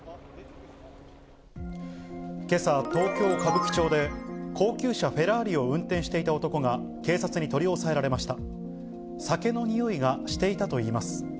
けさ、東京・歌舞伎町で高級車、フェラーリを運転していた男が警察に取り押さえられました。